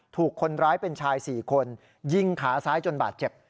ถูกคนร้ายเป็นชาย๔คนยิงขาซ้ายจนบาดเจ็บ